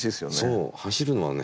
そう走るのがね